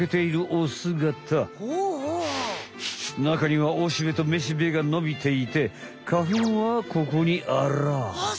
なかにはおしべとめしべがのびていて花粉はここにあらあ。